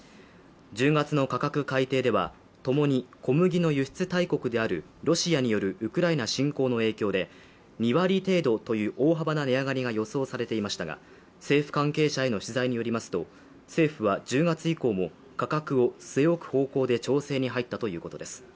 １０月の価格改定ではともに小麦輸出大国であるロシアによるウクライナ侵攻の影響で２割程度という大幅な値上がりが予想されていましたが政府関係者への取材によりますと政府は１０月以降も価格を据え置く方向で調整に入ったということです。